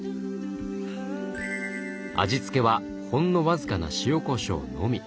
味付けはほんの僅かな塩こしょうのみ。